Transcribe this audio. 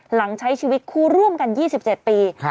ใช้ชีวิตคู่ร่วมกัน๒๗ปี